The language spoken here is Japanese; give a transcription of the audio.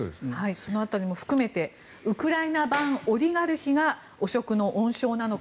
その辺りも含めてウクライナ版オリガルヒが汚職の温床なのか。